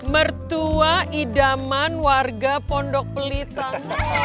mertua idaman warga pondok pelitang